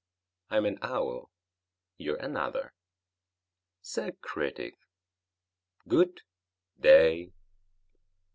I'm an owl; you're another. Sir Critic, good day!"